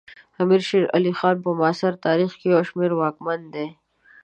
امیر شیر علی خان په معاصر تاریخ کې یو مشهور واکمن دی.